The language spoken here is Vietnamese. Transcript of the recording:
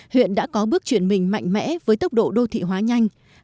huyện đã có bước chuyển mình mạnh mẽ với tốc độ đô thị hóa nhanh